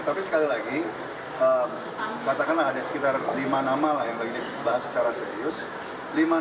tapi sekali lagi katakanlah ada sekitar lima nama lah yang lagi dibahas secara serius